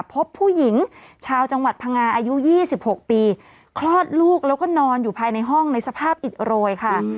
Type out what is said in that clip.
พบผู้หญิงชาวจังหวัดพังงาอายุ๒๖ปีคลอดลูกแล้วก็นอนอยู่ภายในห้องในสภาพอิดโรยค่ะ